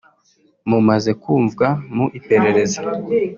Mu bamaze kumvwa mu iperereza